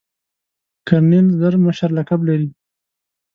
کرنیل زر مشر لقب لري.